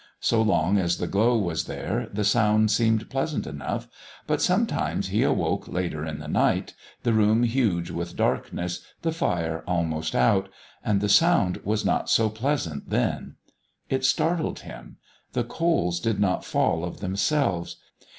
So long as the glow was there the sound seemed pleasant enough, but sometimes he awoke later in the night, the room huge with darkness, the fire almost out and the sound was not so pleasant then. It startled him. The coals did not fall of themselves.